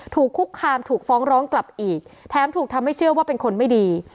ถูกคุกคามถูกฟ้องร้องกลับอีกแถมถูกทำให้เชื่อว่าเป็นคนไม่ดี